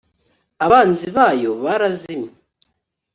abanzi bayo barazimye